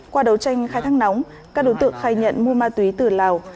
qua đấu tranh khai thác nóng các đối tượng khai nhận mua ma túy từ lào